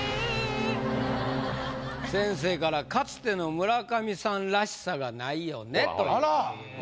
先生から「かつての村上さんらしさがないよね」ということでございます。